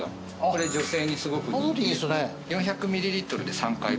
これ女性にすごく４００ミリリットルで３回分。